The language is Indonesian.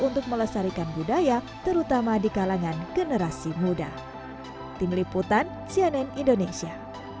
untuk melestarikan budaya terutama di kalangan generasi muda tim liputan cnn indonesia